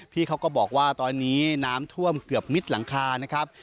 พี่เขาก็บอกว่าตอนนี้น้ำท่วมเกือบมิดหลังคานะครับ